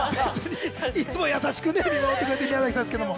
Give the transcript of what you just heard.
いつも優しく見守ってくれてる宮崎さんですけども。